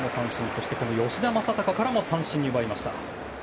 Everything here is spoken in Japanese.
そして吉田正尚からも三振を奪いました。